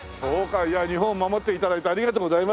いや日本を守って頂いてありがとうございました。